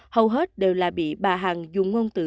hầu hết đều là bị bà hằng dùng ngôn tự